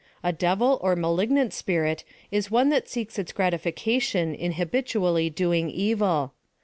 A devil or maliornanl spirit, is one that seeks its gratification in habitual ly doing evil.